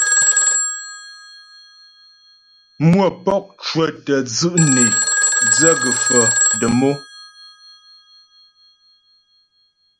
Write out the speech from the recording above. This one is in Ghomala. Mmwə̌pɔk cwətyə́ dzʉ' nè dzə̂ gə̀faə̀ dəm o.